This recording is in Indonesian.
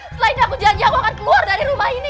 selain aku janji aku akan keluar dari rumah ini